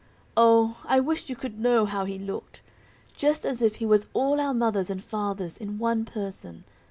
"Oh, I wish you could know how He looked! Just as if He was all our mothers and fathers in one person.